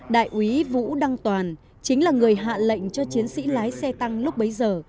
đại úy vũ đăng toàn chính là người hạ lệnh cho chiến sĩ lái xe tăng lúc bấy giờ